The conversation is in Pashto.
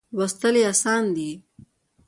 لوستل یې آسانه دي.